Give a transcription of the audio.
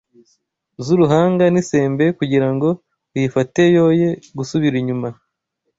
z’uruhanga n’isembe kugirango uyifate yoye gusubira inyuma